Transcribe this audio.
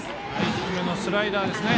低めのスライダーですね。